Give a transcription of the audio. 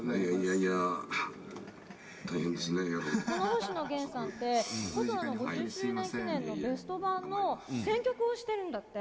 星野源さんってホソノの５０周年記念のベスト盤の選曲をしてるんだって。